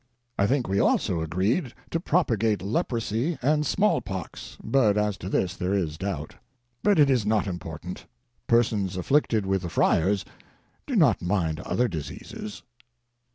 I think we also agreed to propagate leprosy and smallpox, but as to this there is doubt. But it is not important; persons afflicted with the friars do not mind other diseases.